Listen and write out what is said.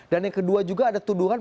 dan yang kedua juga ada tuduhan